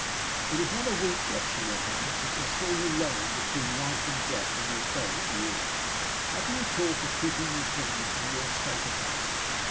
"It is not a week yet," she went on, "since I saw you lying between life and death in your bed at the inn. How can you talk of keeping the appointment, in your state of health?